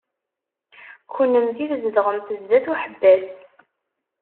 Kennemti tzedɣemt sdat uḥebbas.